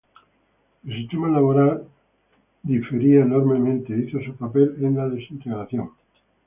El sistema laboral difería enormemente e hizo su papel en la desintegración.